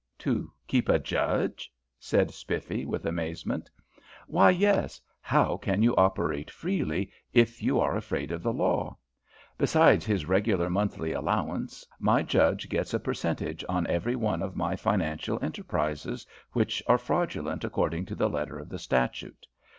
"To keep a judge?" said Spiffy with amazement. "Why, yes. How can you operate freely if you are afraid of the law? Besides his regular monthly allowance, my judge gets a percentage on every one of my financial enterprises which are fraudulent according to the letter of the statute.